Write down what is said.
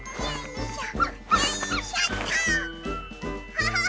ハハハハ！